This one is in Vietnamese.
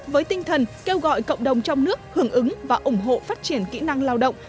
với tinh thần kêu gọi cộng đồng trong nước hưởng ứng và ủng hộ phát triển kỹ năng lao động